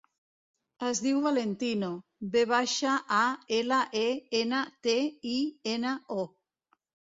Es diu Valentino: ve baixa, a, ela, e, ena, te, i, ena, o.